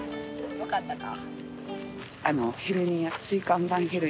分かったか？